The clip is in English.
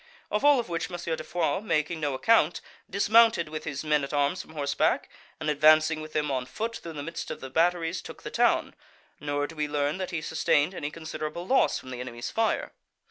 Of all which M. de Foix making no account, dismounted with his men at arms from horseback, and, advancing with them on foot through the midst of the batteries, took the town; nor do we learn that he sustained any considerable loss from the enemy's fire.